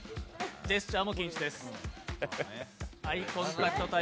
ジェスチャーも禁止です。